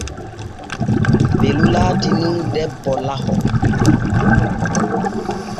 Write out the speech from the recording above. Belu laati nun debbo laho.